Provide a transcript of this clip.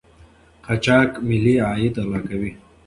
قاچاق ملي عاید غلا کوي.